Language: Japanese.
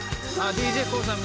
ＤＪＫＯＯさん